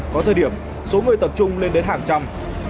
có thời điểm số người tập trung lên đến hàng trăm